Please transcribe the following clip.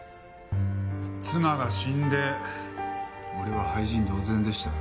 妻が死んで俺は廃人同然でした。